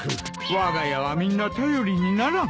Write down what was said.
わが家はみんな頼りにならん。